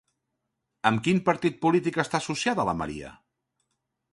Amb quin partit polític està associada la Maria?